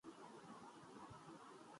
ہوش نہیں